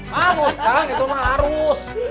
harus kang itu harus